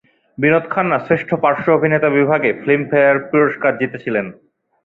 বিনোদ খান্না শ্রেষ্ঠ পার্শ্ব অভিনেতা বিভাগে ফিল্মফেয়ার পুরস্কার জিতেছিলেন।